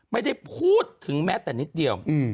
ไม่ได้พูดถึงแม้แต่นิดเดียว